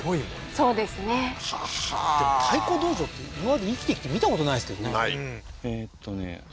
そうですねははーでも太鼓道場って今まで生きてきて見たことないですけどね